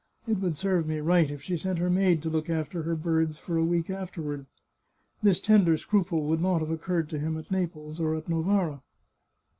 " It would serve me right if she sent her maid to look after her birds for a week after ward." This tender scruple would not have occurred to him at Naples or at Novara.